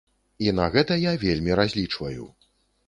І на гэта я вельмі разлічваю.